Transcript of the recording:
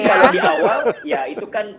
jadi kalau di awal ya itu kan